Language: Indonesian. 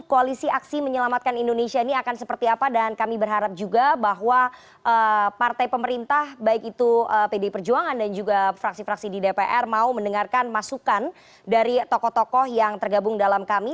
koalisi aksi menyelamatkan indonesia ini akan seperti apa dan kami berharap juga bahwa partai pemerintah baik itu pdi perjuangan dan juga fraksi fraksi di dpr mau mendengarkan masukan dari tokoh tokoh yang tergabung dalam kami